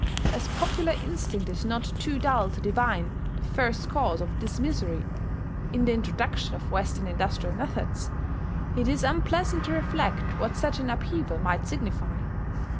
As popular instinct is not too dull to divine the first cause of this misery in the introduction of Western industrial methods, it is unpleasant to reflect what such an upheaval might signify.